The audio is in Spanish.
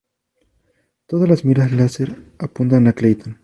Todas las miras láser apuntan a Clayton.